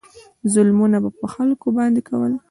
ظلمونه به پر خلکو باندې کول.